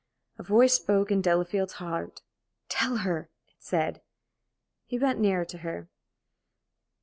A voice spoke in Delafield's heart. "Tell her!" it said. He bent nearer to her.